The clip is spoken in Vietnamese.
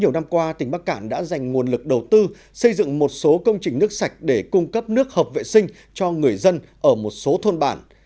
nhiều năm qua tỉnh bắc cản đã dành nguồn lực đầu tư xây dựng một số công trình nước sạch để cung cấp nước hợp vệ sinh cho người dân ở một số thôn bản